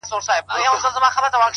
كلي كي ملا سومه ،چي ستا سومه.